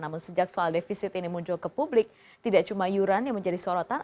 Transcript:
namun sejak soal defisit ini muncul ke publik tidak cuma iuran yang menjadi sorotan